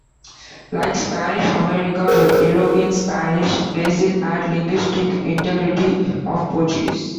Like Spanish America with European Spanish, Brazil had linguistic integrity of Portuguese.